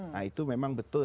nah itu memang betul